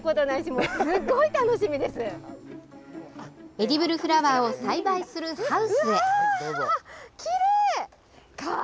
エディブルフラワーを栽培するハウスへ。